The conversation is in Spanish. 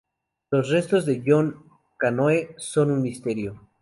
Los restos de John Canoe son un misterio.